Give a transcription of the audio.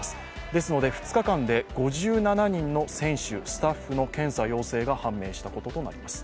ですので２日間で５７人の選手、スタッフの検査陽性が判明したこととなります。